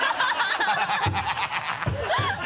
ハハハ